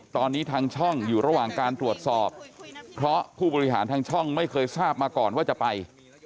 ตอนนี้ทางช่องอยู่ระหว่างการตรวจสอบเพราะผู้บริหารทางช่องไม่เคยทราบมาก่อนว่าจะไป